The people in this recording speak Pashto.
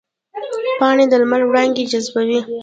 پاڼې د لمر وړانګې جذبوي